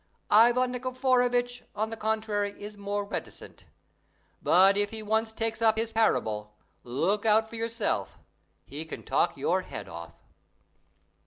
Ivan Nikiforovitch, on the contrary, is more reticent; but if he once takes up his parable, look out for yourself! He can talk your head off.